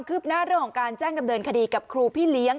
การแจ้งดำเนินคดีกับครูพี่เลี้ยง